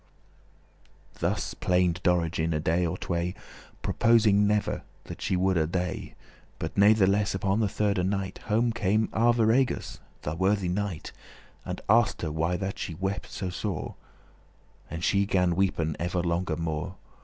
<28> Thus plained Dorigen a day or tway, Purposing ever that she woulde dey;* *die But natheless upon the thirde night Home came Arviragus, the worthy knight, And asked her why that she wept so sore. And she gan weepen ever longer more.